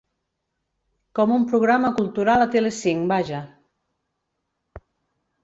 Com un programa cultural a Tele cinc, vaja!